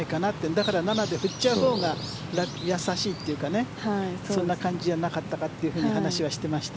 だから７で振っちゃうほうが易しいというかそんな感じじゃなかったかと話はしていました。